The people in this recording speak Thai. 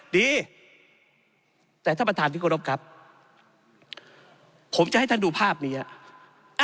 ดีแต่ท่านประธานที่กรบครับผมจะให้ท่านดูภาพนี้ครับ